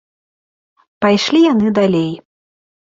Пайшлі яны далей